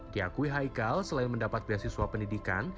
diakui haikal selain mendapat beasiswa pendidikan